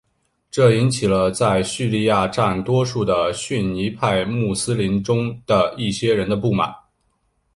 这引起了在叙利亚占多数的逊尼派穆斯林中的一些人的不满。